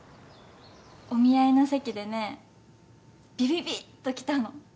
お見合いの席でねビビビっときたの。